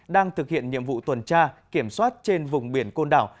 đang thực hiện nhiệm vụ tuần tra kiểm soát trên vùng biển côn đảo